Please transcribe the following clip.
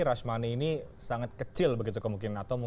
rush money ini sangat kecil begitu kemungkinan